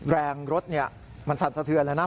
แร่งรถมันสันสเตือนแล้วนะ